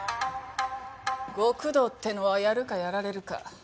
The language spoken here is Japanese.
極道ってのはやるかやられるか。